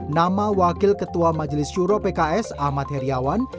nama wakil ketua majelis juro pks ahmad heriawan